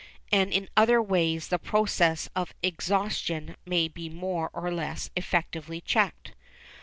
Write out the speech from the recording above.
And in other ways the process of exhaustion may be more or less effectively checked.